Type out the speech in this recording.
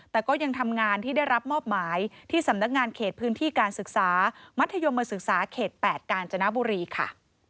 แต่ก็ยังทำงานที่ได้รับมอบหมายที่สำนักงานเขตพื้นที่การศึกษามัธยมศึกษาเขต๘กาญจนบุรีค่ะ